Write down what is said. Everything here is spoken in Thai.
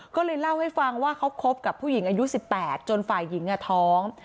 ก็เลยเล่าให้ฟังว่าเขาคบกับผู้หญิงอายุ๑๘จนฝ่ายหญิงท้อง